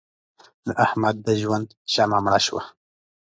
د احمد د ژوند شمع مړه شوه.